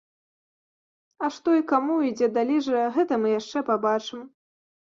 А што і каму, і дзе даліжа, гэта мы яшчэ пабачым.